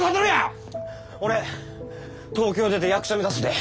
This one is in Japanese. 俺東京出て役者目指すで！